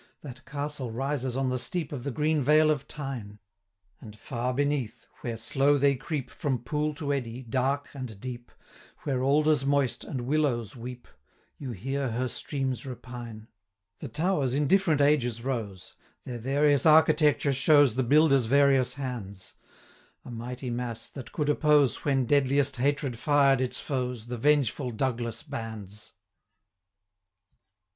That Castle rises on the steep Of the green vale of Tyne: And far beneath, where slow they creep, From pool to eddy, dark and deep, 200 Where alders moist, and willows weep, You hear her streams repine. The towers in different ages rose; Their various architecture shows The builders' various hands; 205 A mighty mass, that could oppose, When deadliest hatred fired its foes, The vengeful Douglas bands.